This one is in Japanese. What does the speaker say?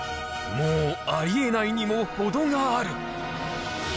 もうありえないにも程がある。